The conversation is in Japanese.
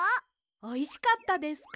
おいしかったですか？